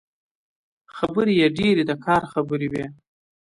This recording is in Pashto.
خبرې يې ډېرې د کار خبرې وې.